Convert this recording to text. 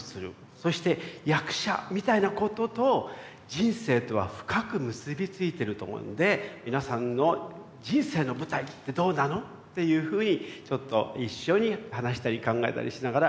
そして役者みたいなことと人生とは深く結び付いてると思うので皆さんの人生の舞台ってどうなの？っていうふうにちょっと一緒に話したり考えたりしながらやっていきたいと思います。